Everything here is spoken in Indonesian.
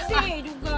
kamu sih juga